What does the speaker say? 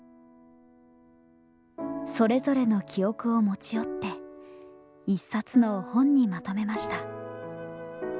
それぞれの記憶を持ち寄って一冊の本にまとめました。